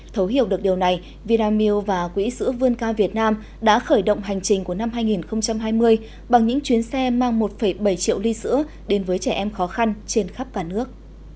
thấu hiểu được điều này viramilk và quỹ sữa vươn cao việt nam đã khởi động hành trình của năm hai nghìn hai mươi bằng những chuyến xe mang một bảy triệu ly sữa đến với trẻ em khó khăn trên khắp cả nước